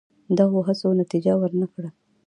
دغو هڅو نتیجه ور نه کړه.